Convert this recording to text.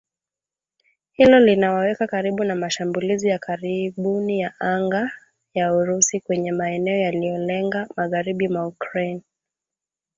Hilo linawaweka karibu na mashambulizi ya karibuni ya anga ya Urusi kwenye maeneo yaliyolenga magharibi mwa Ukraine